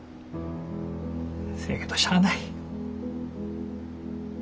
せやけどしゃあない。